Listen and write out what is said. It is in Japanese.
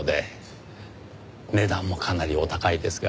値段もかなりお高いですが。